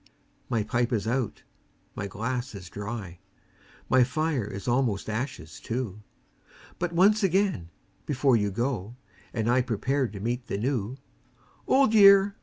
My pipe is out, my glass is dry; My fire is almost ashes too; But once again, before you go, And I prepare to meet the New: Old Year!